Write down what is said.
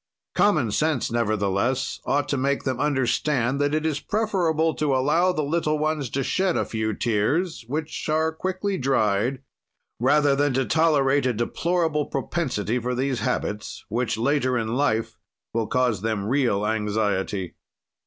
"Common sense, nevertheless, ought to make them understand that it is preferable to allow the little ones to shed a few tears, which are quickly dried, rather than to tolerate a deplorable propensity for these habits which, later in life, will cause them real anxiety."